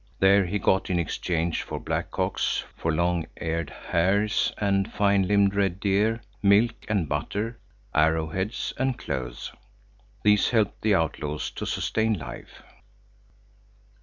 There he got in exchange for black cocks, for long eared hares and fine limbed red deer, milk and butter, arrow heads and clothes. These helped the outlaws to sustain life.